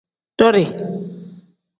Duuri.